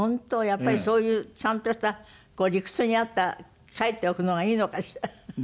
やっぱりそういうちゃんとした理屈に合った書いておくのがいいのかしら？